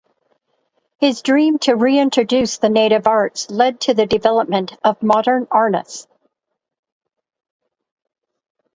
His dream to re-introduce the native arts led to the development of Modern Arnis.